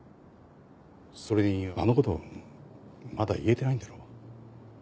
それにあの事まだ言えてないんだろ？